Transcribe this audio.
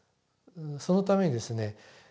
そのためにですね